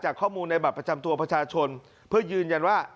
ข้อมูลในบัตรประจำตัวประชาชนเพื่อยืนยันว่า